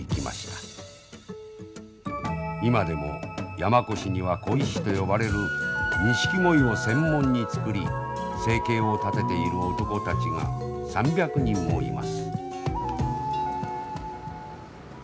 今でも山古志には鯉師と呼ばれるニシキゴイを専門に作り生計を立てている男たちが３００人もいます。